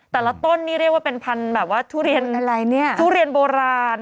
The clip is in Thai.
ตลาดต้นนี่เรียกว่าเป็นพันธุเรียนโบราณ